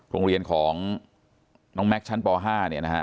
โรงเรียนของน้องแม็กซชั้นป๕เนี่ยนะฮะ